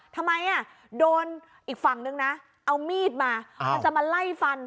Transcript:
ทำไมโดนอีกฝั่งนึงนะเอามีดมามันจะมาไล่ฟัน